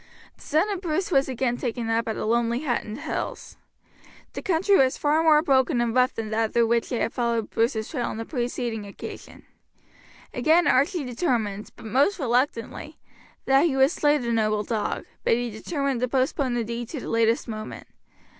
The scent of Bruce was again taken up at a lonely hut in the hills. The country was far more broken and rough than that through which they had followed Bruce's trail on the preceding occasion. Again Archie determined, but most reluctantly, that he would slay the noble dog; but he determined to postpone the deed to the latest moment.